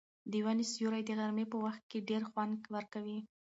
د ونې سیوری د غرمې په وخت کې ډېر خوند ورکوي.